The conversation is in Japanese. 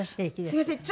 すいません。